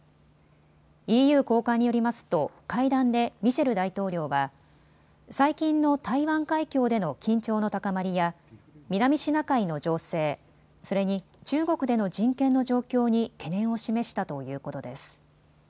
ＥＵ高官によりますと会談でミシェル大統領は最近の台湾海峡での緊張の高まりや南シナ海の情勢、それに中国での人権の状況に懸念を示したということです。